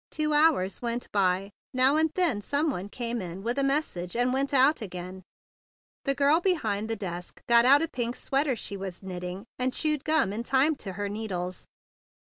Two hours went by. Now and then some one came in with a message, and THE BIG BLUE SOLDIER 105 went out again. The girl behind the desk got out a pink sweater she was knitting, and chewed gum in time to her needles.